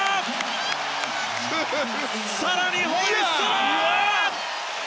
更にホイッスル！